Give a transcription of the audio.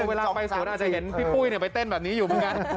เวลาไปศูนย์อาจจะเห็นพี่ปุ้ยเนี่ยไปเต้นแบบนี้อยู่